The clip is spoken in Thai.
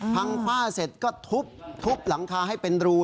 ผ้าเสร็จก็ทุบหลังคาให้เป็นรู